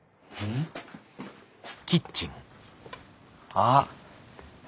あっ。